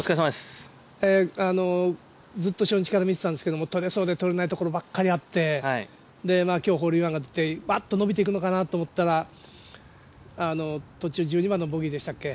ずっと初日から見ていたんですけど取れそうで取れないところばっかりがあって今日ホールインワンがでてバッと伸びていくのかなと思ったら途中１２番のボギーでしたっけ